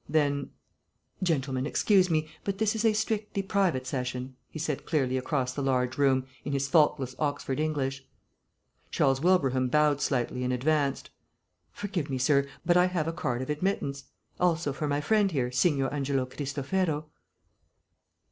Then, "Gentlemen, excuse me, but this is a strictly private session," he said clearly across the large room, in his faultless Oxford English. Charles Wilbraham bowed slightly and advanced. "Forgive me, sir, but I have a card of admittance. Also for my friend here, Signor Angelo Cristofero."